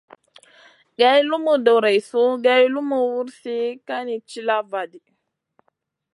Geyn lumu doreissou geyn lumu wursi kayni tilla vi.